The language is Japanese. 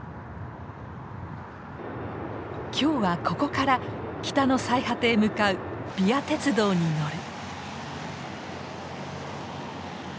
今日はここから北の最果てへ向かうＶＩＡ鉄道に乗る。